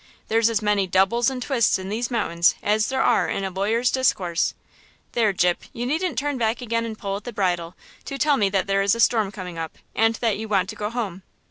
There's as many doubles and twists in these mountains as there are in a lawyer's discourse! There, Gyp, you needn't turn back again and pull at the bridle, to tell me that there is a storm coming up and that you want to go home!